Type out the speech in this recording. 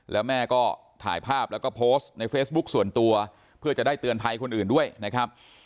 แล้วแม่ก็ถ่ายภาพแล้วก็โพสต์ในเฟซบุ๊คส่วนตัวเพื่อจะได้เตือนภัยคนอื่นด้วยนะครับ